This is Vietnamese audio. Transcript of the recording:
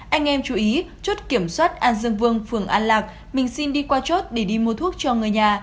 anh em chú ý chốt kiểm soát an dương vương phường an lạc mình xin đi qua chốt để đi mua thuốc cho người nhà